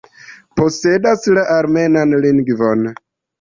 Posedas la armenan lingvon.